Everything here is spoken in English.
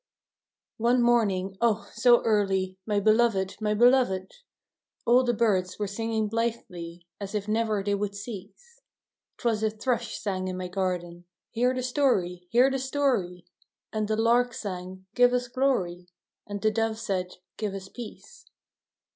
CjNE morning/ oh! so early, my beloved, my be W loved, All the birds were singing blithely, as if never they would cease; 'T was a thrush sang in my garden, " Hear the story, hear the story !" And the lark sang, " Give us glory !" And the dove said, " Give us peace